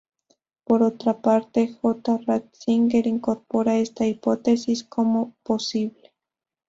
Por otra parte, J. Ratzinger incorpora esta hipótesis como posible.